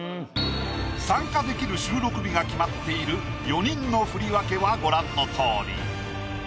参加できる収録日が決まっている４人の振り分けはご覧のとおり。